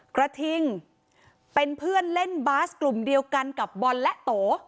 กระทิงเป็นเพื่อนเล่นบาสกลุ่มเดียวกันกับบอลและโต